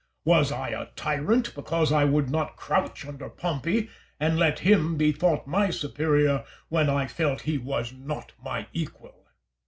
Was I a tyrant because I would not crouch under Pompey, and let him be thought my superior when I felt he was not my equal?